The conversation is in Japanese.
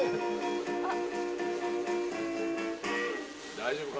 大丈夫か？